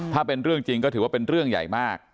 ถ้าเป็นเรื่องจริงก็ถือว่าเป็นเรื่องใหญ่มาก